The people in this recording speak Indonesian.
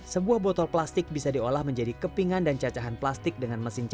sebuah botol plastik bisa diolah menjadi kepingan dan cacahan plastik dengan mesin